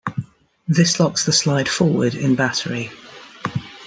This locks the slide forward in battery.